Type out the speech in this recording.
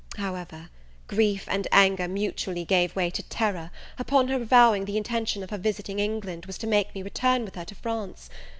However, grief and anger mutually gave way to terror, upon her avowing the intention of her visiting England was to make me return with her to France.